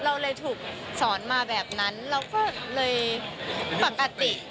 เราเลยถูกสอนมาแบบนั้นเราก็เลยปกติ